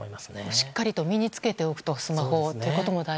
しっかりと身に付けておくとスマホを。